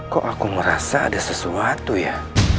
kok aku merasa ada sesuatu ya